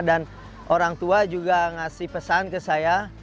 dan orang tua juga ngasih pesan ke saya